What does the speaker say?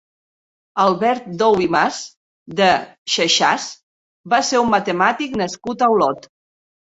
Albert Dou i Mas de Xexàs va ser un matemàtic nascut a Olot.